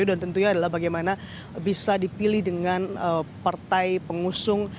dan tentunya adalah bagaimana bisa dipilih dengan partai pengusung